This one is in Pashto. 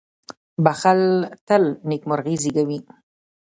• بښل تل نېکمرغي زېږوي.